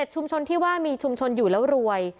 ชุมชนที่ว่ามีชุมชนอยู่แล้วรวย